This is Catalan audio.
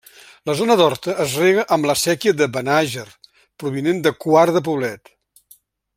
La zona d'horta es rega amb la séquia de Benàger, provinent de Quart de Poblet.